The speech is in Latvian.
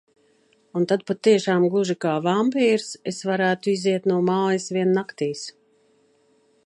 Un tad patiešām gluži kā vampīrs es varētu iziet no mājas vien naktīs.